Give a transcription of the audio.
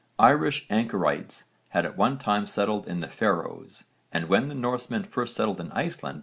Irish anchorites had at one time settled in the Faroes (v. supra, p. 6), and when the Norsemen first settled in Iceland (c.